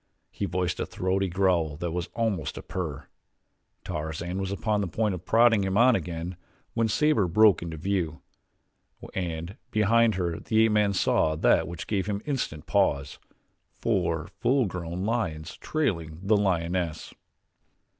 He voiced a throaty growl that was almost a purr. Tarzan was upon the point of prodding him on again when Sabor broke into view, and behind her the ape man saw that which gave him instant pause four full grown lions trailing the lioness.